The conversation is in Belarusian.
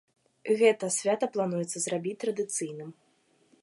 Гэта свята плануецца зрабіць традыцыйным.